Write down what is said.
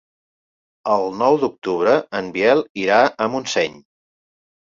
El nou d'octubre en Biel irà a Montseny.